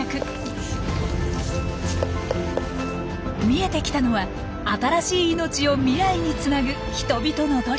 見えてきたのは新しい命を未来につなぐ人々の努力。